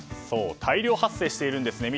そう、大量発生しているんです。